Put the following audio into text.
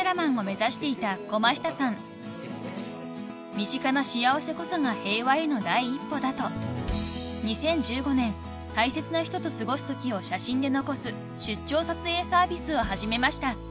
［身近な幸せこそが平和への第一歩だと２０１５年大切な人と過ごすときを写真で残す出張撮影サービスを始めました］